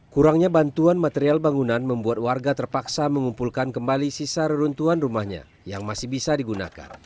kurangnya bantuan material bangunan membuat warga terpaksa mengumpulkan kembali sisa reruntuhan rumahnya yang masih bisa digunakan